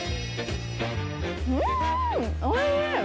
うんおいしい！